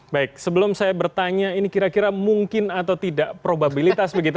baik sebelum saya bertanya ini kira kira mungkin atau tidak probabilitas begitu